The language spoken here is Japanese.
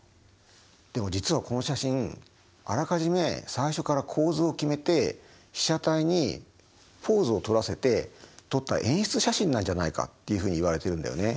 でも実はこの写真あらかじめ最初から構図を決めて被写体にポーズをとらせて撮った演出写真なんじゃないかっていうふうに言われてるんだよね。